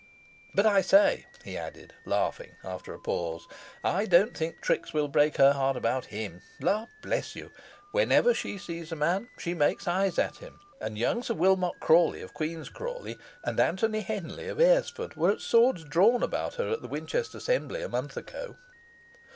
".... But I say," he added, laughing, after a pause, "I don't think Trix will break her heart about him. La bless you! whenever she sees a man, she makes eyes at him; and young Sir Wilmot Crawley of Queen's Crawley, and Anthony Henley of Airesford, were at swords drawn about her, at the Winchester Assembly, a month ago."